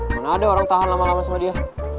mana ada orang tahan lama lama sama dia